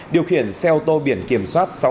điều khiển xe ô tô biển kiểm soát